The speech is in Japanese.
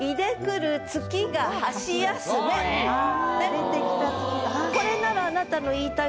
出てきた月はい。